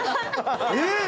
えっ！？